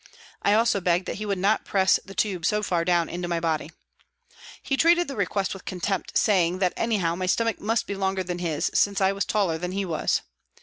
I also begged that he would not press the tube so far down into my body. He treated the request with contempt, saying that anyhow my stomach must be longer than his, since I was taller than he was.